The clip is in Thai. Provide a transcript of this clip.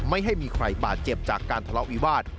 ไม่ให้มีใครบาดเจ็บจากการทะเลาะวิวาส